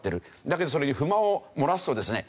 だけどそれに不満を漏らすとですね